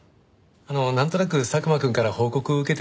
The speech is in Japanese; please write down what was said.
なんとなく佐久間くんから報告受けてます。